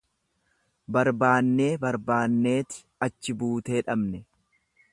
Barbaannee barbaanneeti achi buutee dhabne.